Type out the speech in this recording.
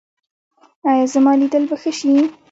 ایا زما لیدل به ښه شي؟